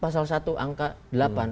yang ke delapan